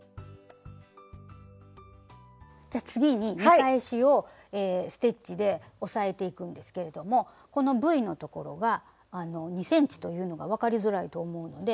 じゃ次に見返しをステッチで押さえていくんですけれどもこのＶのところは２ｃｍというのが分かりづらいと思うので。